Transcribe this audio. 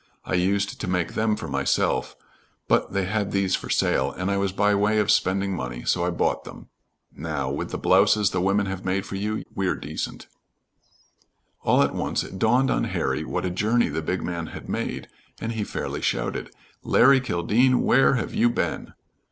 I used to make them for myself, but they had these for sale, and I was by way of spending money, so I bought them. Now, with the blouses the women have made for you, we're decent." All at once it dawned on Harry what a journey the big man had made, and he fairly shouted, "Larry Kildene, where have you been?"